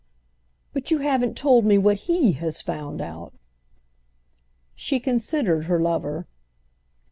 "But you haven't told me what he has found out." She considered her lover.